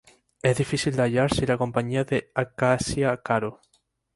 Es difícil de hallar sin la compañía de "Acacia karoo".